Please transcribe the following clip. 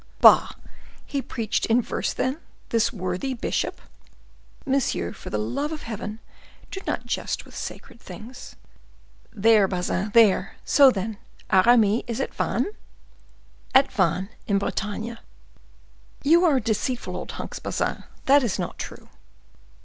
"Bah! he preached in verse, then, this worthy bishop?" "Monsieur, for the love of heaven, do not jest with sacred things." "There, Bazin, there! So, then, Aramis is at Vannes?" "At Vannes, in Bretagne." "You are a deceitful old hunks, Bazin; that is not true."